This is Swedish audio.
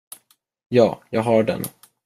Ja, jag har den.